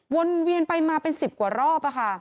วนเวียนไปมาเป็น๑๐กว่ารอบ